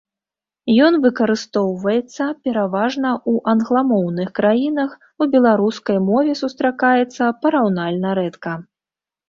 Ён выкарыстоўваецца пераважна ў англамоўных краінах, у беларускай мове сустракаецца параўнальна рэдка.